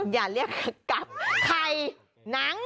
อย่าเรียกว่ากับไข่หนัง